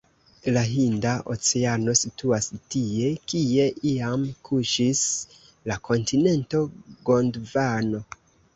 La Hinda Oceano situas tie, kie iam kuŝis la kontinento Gondvano.